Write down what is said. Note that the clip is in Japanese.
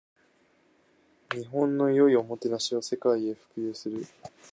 日本の良いおもてなしを世界へ普及する